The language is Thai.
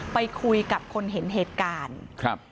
ไปคุยกับคนเห็นเหตุการณ์ครับ